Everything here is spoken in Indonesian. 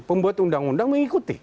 pembuat undang undang mengikuti